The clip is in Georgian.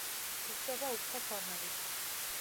გვხვდება უფრთო ფორმებიც.